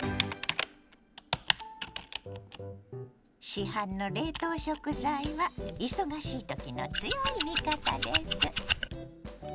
市販の冷凍食材は忙しいときの強い味方です。